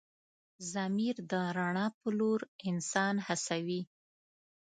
ضمیر د رڼا په لور انسان هڅوي.